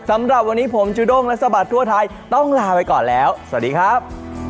สำหรับวันนี้ผมจูด้งและสะบัดทั่วไทยต้องลาไปก่อนแล้วสวัสดีครับ